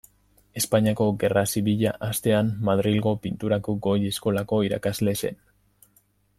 Espainiako Gerra Zibila hastean Madrilgo Pinturako Goi Eskolako irakasle zen.